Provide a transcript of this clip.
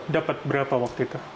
dapet berapa waktu itu